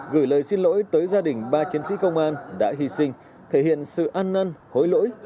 gửi lời xin lỗi tới gia đình ba chiến sĩ công an đã hy sinh thể hiện sự an năn hối lỗi